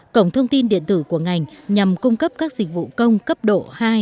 cổng thông tin điện tử của ngành nhằm cung cấp các dịch vụ công cấp độ hai ba bốn